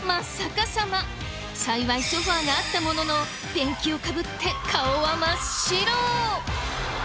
幸いソファがあったもののペンキをかぶって顔は真っ白。